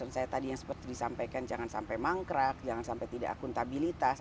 dan concern saya tadi yang seperti disampaikan jangan sampai mangkrak jangan sampai tidak akuntabilitas